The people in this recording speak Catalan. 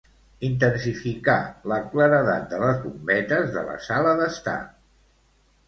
Intensificar la claredat de les bombetes de la sala d'estar.